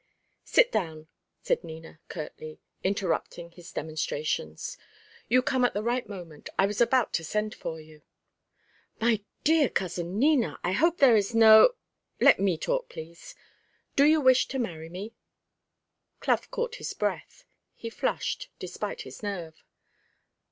"Sit down," said Nina, curtly, interrupting his demonstrations. "You come at the right moment. I was about to send for you." "My dear cousin Nina! I hope there is no " "Let me talk, please. Do you wish to marry me?" Clough caught his breath. He flushed, despite his nerve.